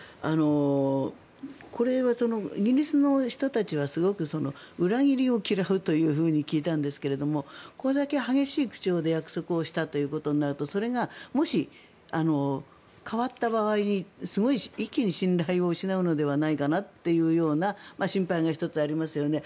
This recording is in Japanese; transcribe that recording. これはイギリスの人たちはすごく裏切りを嫌うと聞いたんですけれどこれだけ激しい口調で約束をしたということになるとそれがもし、変わった場合にすごく一気に信頼を失うんじゃないかという心配が１つありますよね。